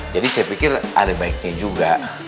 jadi saya pikir ada baiknya juga